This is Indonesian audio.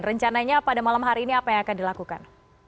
rencananya pada malam hari ini apa yang akan dilakukan